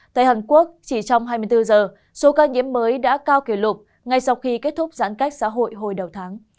tại hàn quốc chỉ trong hai mươi bốn giờ số ca nhiễm mới đã cao kỷ lục ngay sau khi kết thúc giãn cách xã hội hồi đầu tháng